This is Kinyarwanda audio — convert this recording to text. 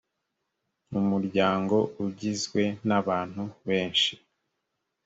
umuryango ugizwe nabantu benshi.